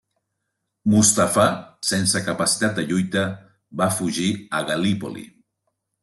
Mustafà sense capacitat de lluita va fugir a Gal·lípoli.